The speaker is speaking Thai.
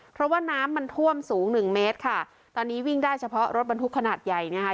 เพราะว่าน้ำมันท่วมสูงหนึ่งเมตรค่ะตอนนี้วิ่งได้เฉพาะรถบรรทุกขนาดใหญ่นะคะ